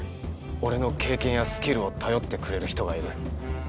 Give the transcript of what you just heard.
俺の経験やスキルを頼ってくれる人がいる。